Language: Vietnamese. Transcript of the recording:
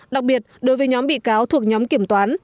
đặc biệt đối với nhóm bị cáo thuộc nhóm kiểm toán